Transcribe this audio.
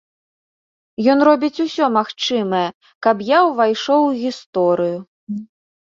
Ён робіць усё магчымае, каб я ўвайшоў у гісторыю.